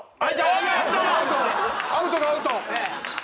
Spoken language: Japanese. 「アウト」のアウト。